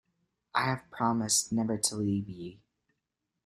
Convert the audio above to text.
I have promised never to leave ye.